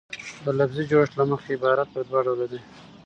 د لفظي جوړښت له مخه عبارت پر دوه ډوله ډﺉ.